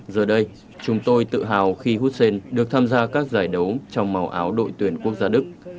giờ đây chúng tôi tự hào khi hussen được tham gia các giải đấu trong màu áo đội tuyển quốc gia đức